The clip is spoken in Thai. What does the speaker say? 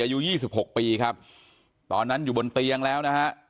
อายุ๒๖ปีครับตอนนั้นอยู่บนเตียงแล้วนะฮะ